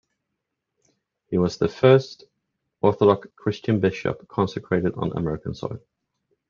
He was the first Orthodox Christian bishop consecrated on American soil.